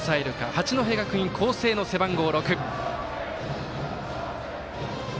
八戸学院光星の背番号６。